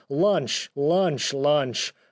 Lunch ! Lunch ! Lunch !